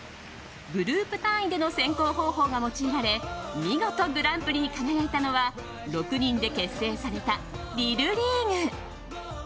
グループ単位での選考方法が用いられ見事、グランプリに輝いたのは６人で結成されたＬＩＬＬＥＡＧＵＥ。